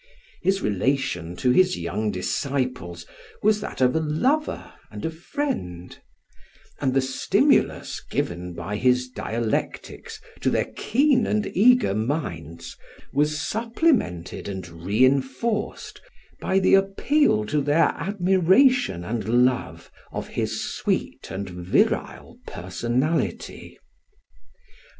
His relation to his young disciples was that of a lover and a friend; and the stimulus given by his dialectics to their keen and eager minds was supplemented and reinforced by the appeal to their admiration and love of his sweet and virile personality.